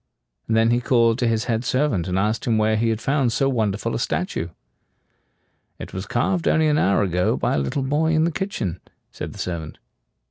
And then he called to his head servant, and asked him where he had found so wonderful a statue. "It was carved only an hour ago by a little boy in the kitchen," said the servant.